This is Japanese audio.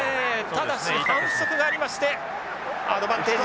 ただし反則がありましてアドバンテージ